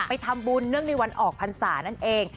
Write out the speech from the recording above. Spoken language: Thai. ไปทำบุญเนื่องในวันออกพรรษานั่นเอง